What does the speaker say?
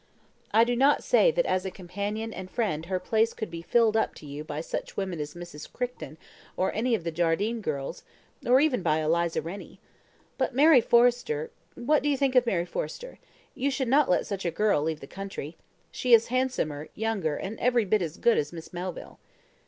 I do not say that as a companion and friend her place could be filled up to you by such women as Miss Crichton or any of the Jardine girls, or even by Eliza Rennie. But Mary Forrester what do you think of Mary Forrester? You should not let such a girl leave the country. She is handsomer, younger, and every bit as good as Miss Melville."